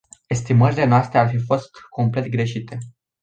Estimările noastre ar fi fost complet greșite.